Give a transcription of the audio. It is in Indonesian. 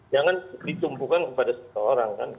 jangan ditumpukan kepada seseorang kan